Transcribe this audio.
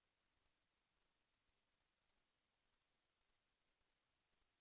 แสวได้ไงของเราก็เชียนนักอยู่ค่ะเป็นผู้ร่วมงานที่ดีมาก